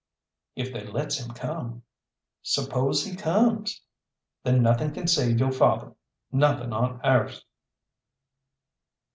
"If they lets him come." "Suppose he comes?" "Then nothing can save yo' father, nothing on airth."